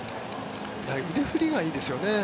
腕振りがいいですよね。